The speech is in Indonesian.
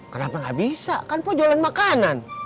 kenapa gak bisa kan pok jualan makanan